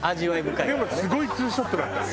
でもすごい２ショットだったね。